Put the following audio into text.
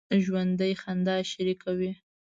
ژوندي خندا شریکه وي